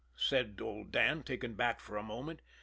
said old Dan, taken aback for a moment.